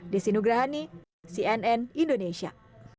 desi nugrahani cnn indonesia